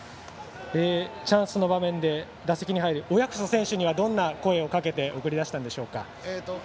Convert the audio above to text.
チャンスの場面で、打席に入る親富祖選手にはどんな声をかけて送り出したんでしょうか。